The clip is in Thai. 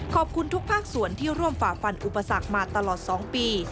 ขอบคุณทุกภาคส่วนที่ร่วมฝ่าฟันอุปสรรคมาตลอด๒ปี